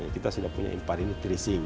kita sudah punya imparinitri sing